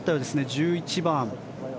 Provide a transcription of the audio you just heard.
１１番。